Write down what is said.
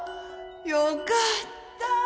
良かった。